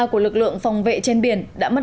của lực lượng phòng vệ trên biển đã mất